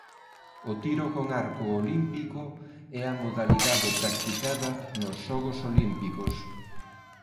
O tiro con arco olímpico é a modalidade practicada nos Xogos Olímpicos.